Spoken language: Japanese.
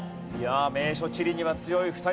名所地理には強い２人の対決。